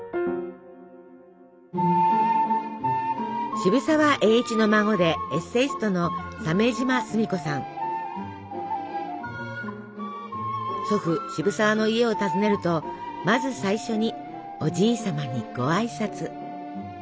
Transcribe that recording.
渋沢栄一の孫でエッセイストの祖父渋沢の家を訪ねるとまず最初におじい様にご挨拶。